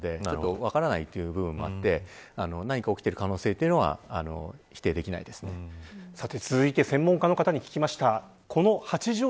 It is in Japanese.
しかも海なので分からない部分もあって何かが起きている可能性はさて続いて専門家の方に聞きました。